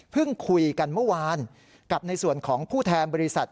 คุยกันเมื่อวานกับในส่วนของผู้แทนบริษัท